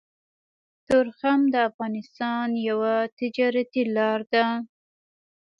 تورخم د افغانستان يوه تجارتي لاره ده